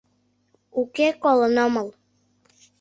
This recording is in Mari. — Уке, колын омыл.